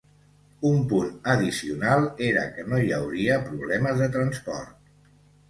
Un punt addicional era que no hi hauria problemes de transport.